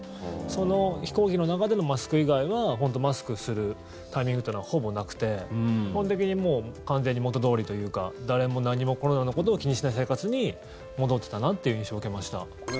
その飛行機の中でのマスク以外はマスクするタイミングっていうのはほぼなくて基本的に完全に元どおりというか誰も何もコロナのことを気にしない生活に戻ってたなという印象を受けました。